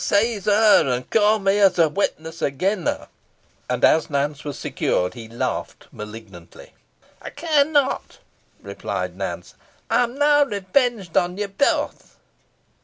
Seize her, an' ca' me as a witness agen her." And as Nance was secured, he laughed malignantly. "Ey care not," replied Nance. "Ey am now revenged on you both."